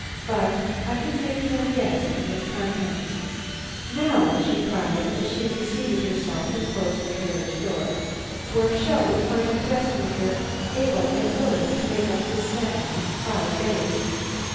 But I could make no guess at its contents. "Now," she cried, as she reseated herself and closed the carriage door, "where shall I find a dressmaker able and willing to make up this satin in five days?"